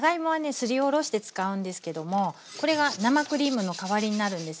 すりおろして使うんですけどもこれが生クリームの代わりになるんですね。